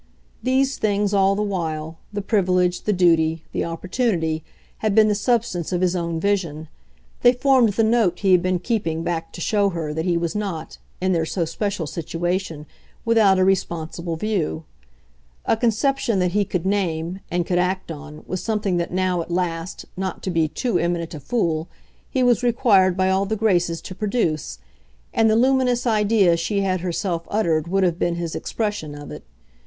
These things, all the while, the privilege, the duty, the opportunity, had been the substance of his own vision; they formed the note he had been keeping back to show her that he was not, in their so special situation, without a responsible view. A conception that he could name, and could act on, was something that now, at last, not to be too eminent a fool, he was required by all the graces to produce, and the luminous idea she had herself uttered would have been his expression of it.